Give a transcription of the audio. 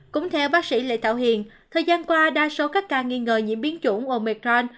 cũng theo bác sĩ lê tạo hiền thời gian qua đa số các ca nghi ngờ nhiễm biến chủng omercron